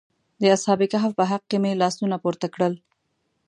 د اصحاب کهف په حق کې مې لاسونه پورته کړل.